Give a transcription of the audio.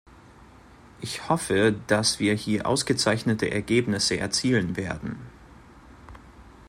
Ich hoffe, dass wir hier ausgezeichnete Ergebnisse erzielen werden.